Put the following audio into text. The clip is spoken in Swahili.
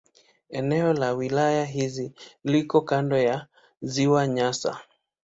Eneo la wilaya hii liko kando la Ziwa Nyasa.